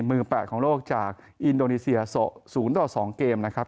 มือ๘ของโลกจากอินโดนีเซีย๐ต่อ๒เกมนะครับ